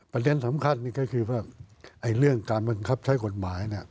ประเด็นสำคัญนี่ก็คือว่าเรื่องการบังคับใช้กฎหมาย